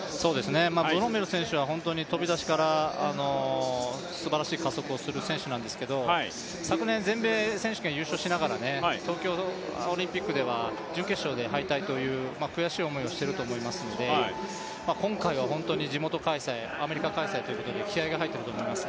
ブロメル選手は飛び出しからすばらしい加速をするんですけど昨年、全米選手権、優勝しながら東京オリンピックでは準決勝で敗退という悔しい思いをしていると思いますので、今回は地元のアメリカ開催ということで、気合いが入っていると思います。